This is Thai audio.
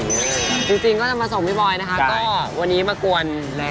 จริงก็จะมาส่งพี่บอยนะคะก็วันนี้มากวนแล้ว